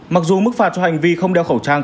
mặc dù mức phạt cho hành vi không đeo khẩu trang